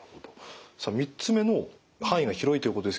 さあ３つ目の範囲が広いということですけど。